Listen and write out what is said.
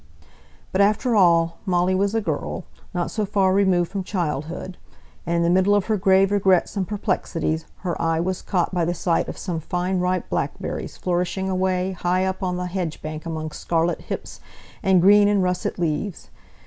But after all Molly was a girl, not so far removed from childhood; and in the middle of her grave regrets and perplexities, her eye was caught by the sight of some fine ripe blackberries flourishing away high up on the hedge bank among scarlet hips and green and russet leaves.